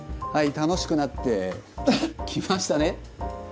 はい楽しくなってきましたね。